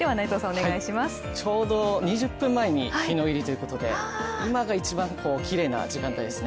ちょうど２０分前に日の入りということで、今が一番きれいな時間帯ですね。